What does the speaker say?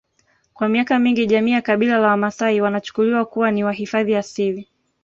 Kwa miaka mingi jamii ya kabila la wamaasai wanachukuliwa kuwa ni wahifadhi asili